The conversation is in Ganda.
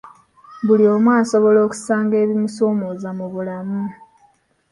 Buli omu asobola okusanga ebimusoomooza mu bulamu.